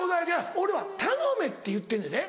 俺は「頼め」って言ってんねやで。